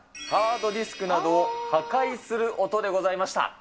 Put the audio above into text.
ハードディスクなどを破壊する音でございました。